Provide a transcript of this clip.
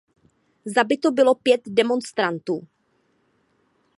Zabito bylo pět demonstrantů.